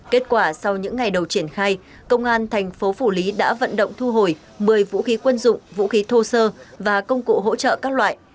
kết quả sau những ngày đầu triển khai công an thành phố phủ lý đã vận động thu hồi một mươi vũ khí quân dụng vũ khí thô sơ và công cụ hỗ trợ các loại